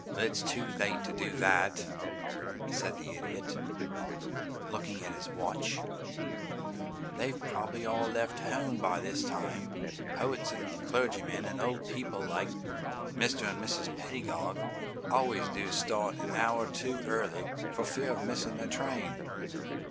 "It is too late to do that," said the Idiot, looking at his watch. "They've probably all left home by this time. Poets and clergymen and old people like Mr. and Mrs. Pedagog always do start an hour too early, for fear of missing their train."